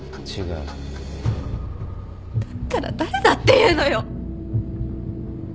だったら誰だっていうのよ！